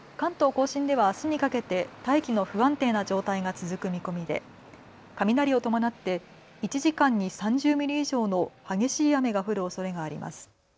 甲信ではあすにかけて大気の不安定な状態が続く見込みで雷を伴って１時間に３０ミリ以上の激しい雨が降るおそれがあります。